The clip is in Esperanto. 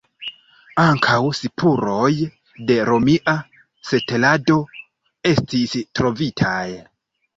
Ankaŭ spuroj de romia setlado estis trovitaj.